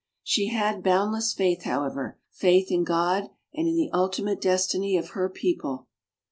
She had boundless faith, however, faith in God and in the ultimate destiny of her peo ple.